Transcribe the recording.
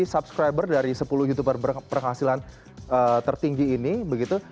jadi subscriber dari sepuluh youtuber berpenghasilan tertinggi ini begitu